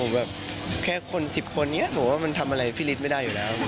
ผมแบบแค่คนสิบคนเนี่ยผมว่ามันทำอะไรพี่ฤทธิ์ไม่ได้อยู่นะครับ